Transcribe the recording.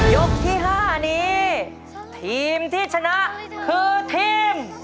ยกที่๕นี้ทีมที่ชนะคือทีม